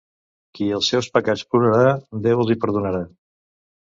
Qui els seus pecats plorarà, Déu els hi perdonarà.